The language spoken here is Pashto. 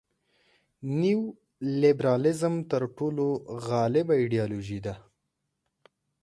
نیولیبرالیزم تر ټولو غالبه ایډیالوژي ده.